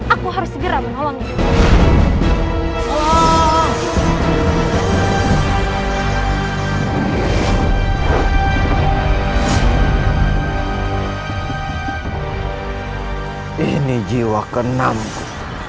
aku akan menangkapmu